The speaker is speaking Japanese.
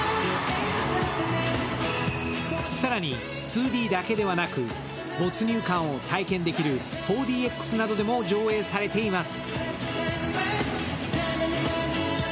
更に２Ｄだけではなく没入感を体験できる４ＤＸなどでも上映されています。